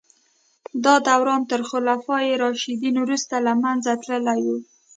دا دوران تر خلفای راشدین وروسته له منځه تللی و.